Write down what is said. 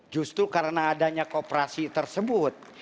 justru karena adanya kooperasi tersebut